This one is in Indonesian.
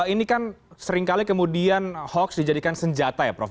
ini kan seringkali kemudian hoax dijadikan senjata ya prof